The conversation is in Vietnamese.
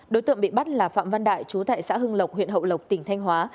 đối tượng bị bắt là phạm văn đại chú tại xã hưng lộc huyện hậu lộc tỉnh thanh hóa